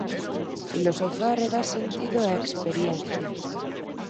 Filosofar é dar sentido á experiencia.